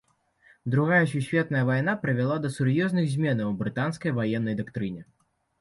Другая сусветная вайна прывяла да сур'ёзных зменаў у брытанскай ваеннай дактрыне.